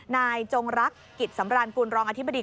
จงรักกิจสำรานกุลรองอธิบดี